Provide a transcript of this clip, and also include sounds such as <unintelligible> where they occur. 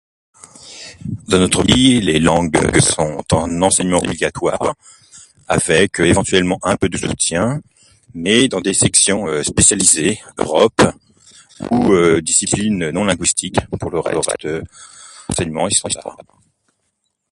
Dans notre <unintelligible> les langues sont obligatoires avec <hesitation> éventuellement un peu de <unintelligible> mais dans des sections spécialisées europe ou <hesitation> disciplines non linguistiques ou <unintelligible>